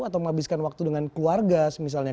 atau menghabiskan waktu dengan keluarga misalnya